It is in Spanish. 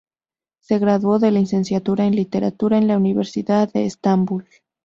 Se graduó de licenciatura en literatura en la Universidad de Estambul.